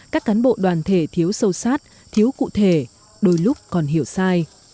các cán bộ đoàn thể thiếu sâu sát thiếu cụ thể đôi lúc còn hiểu sai